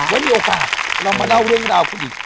แล้วมีโอกาสเรามาเล่าเรื่องราวคุณอีก